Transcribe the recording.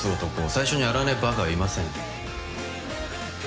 最初に洗わねえバカはいません